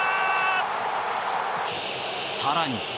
更に。